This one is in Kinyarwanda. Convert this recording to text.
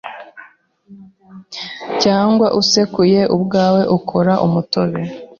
cyangwa usekuye ubwawe ukora umutobe